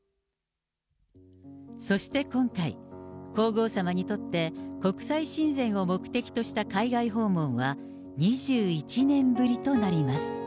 そして今回、皇后さまにとって、国際親善を目的とした海外訪問は、２１年ぶりとなります。